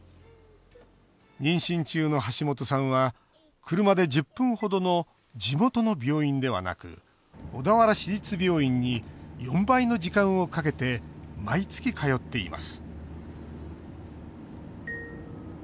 妊娠中の橋本さんは車で１０分程の地元の病院ではなく小田原市立病院に４倍の時間をかけて毎月通っています